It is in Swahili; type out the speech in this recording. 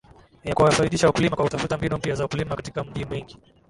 ya kuwafaidisha wakulima kwa kutafuta mbinu mpya za kulima katika maji mengi